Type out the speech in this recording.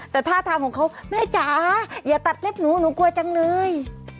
แต่ท่าทางของเขาแม่จ๋าอย่าตัดเล็บหนูหนูกลัวจังเลย